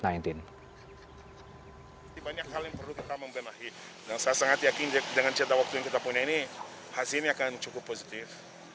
hasilnya akan cukup positif